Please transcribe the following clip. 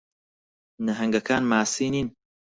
نەھەنگەکان ماسی نین.